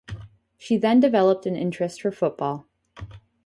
She then developed an interest for football.